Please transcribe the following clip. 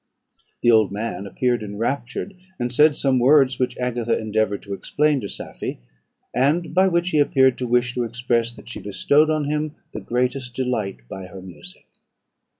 The old man appeared enraptured, and said some words, which Agatha endeavoured to explain to Safie, and by which he appeared to wish to express that she bestowed on him the greatest delight by her music.